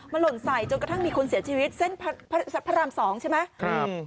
หล่นใส่จนกระทั่งมีคนเสียชีวิตเส้นพระราม๒ใช่ไหมครับ